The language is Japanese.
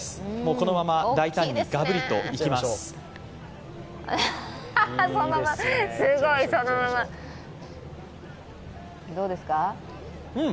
このまま、大胆にガブリといきますうん！